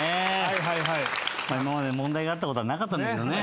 今まで問題があったことはなかったんだけどね。